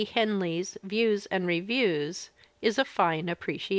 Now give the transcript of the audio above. Henley's "Views and Reviews" is a fine appreciation.